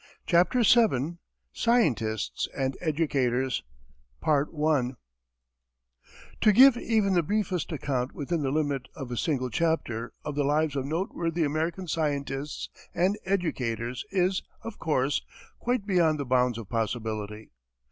CHAPTER VII SCIENTISTS AND EDUCATORS To give even the briefest account, within the limits of a single chapter, of the lives of noteworthy American scientists and educators is, of course, quite beyond the bounds of possibility.